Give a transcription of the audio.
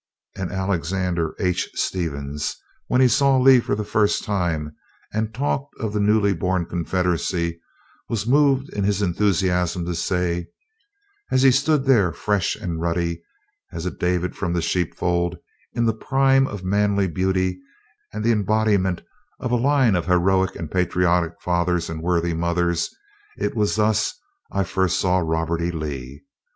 And Alexander H. Stephens, when he saw Lee for the first time, and talked of the newly born Confederacy, was moved in his enthusiasm to say: "As he stood there, fresh and ruddy as a David from the sheepfold, in the prime of manly beauty and the embodiment of a line of heroic and patriotic fathers and worthy mothers, it was thus I first saw Robert E. Lee.